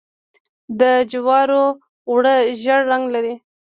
د جوارو اوړه ژیړ رنګ لري.